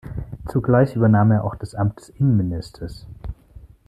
Zugleich übernahm er auch das Amt des Innenministers.